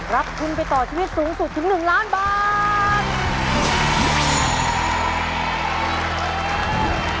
รับทุนไปต่อชีวิตสูงสุดถึง๑ล้านบาท